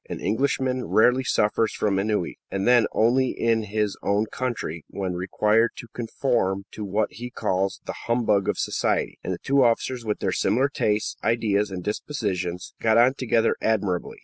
An Englishman rarely suffers from ennui, and then only in his own country, when required to conform to what he calls "the humbug of society"; and the two officers, with their similar tastes, ideas, and dispositions, got on together admirably.